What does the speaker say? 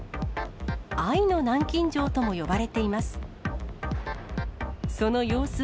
愛の南京錠とも呼ばれています。